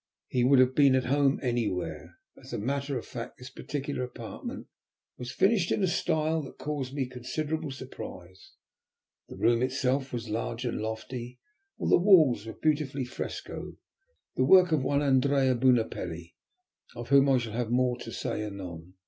He would have been at home anywhere. As a matter of fact this particular apartment was furnished in a style that caused me considerable surprise. The room itself was large and lofty, while the walls were beautifully frescoed, the work of one Andrea Bunopelli, of whom I shall have more to say anon.